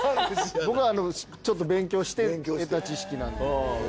僕はちょっと勉強して得た知識なんで。